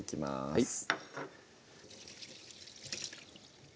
はい